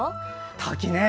滝ね。